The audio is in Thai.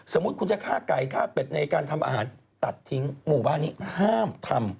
สมมุติคุณจะฆ่าไก่ฆ่าเป็ดในการทำอาหารตัดทิ้งหมู่บ้านนี้ห้ามทำ